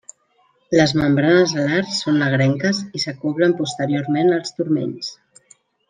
Les membranes alars són negrenques i s'acoblen posteriorment als turmells.